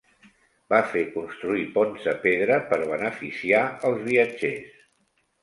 Va fer construir ponts de pedra per beneficiar als viatgers.